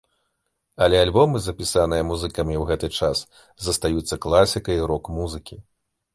Але альбомы, запісаныя музыкамі ў гэты час, застаюцца класікай рок-музыкі.